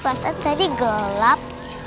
pas tadi gelap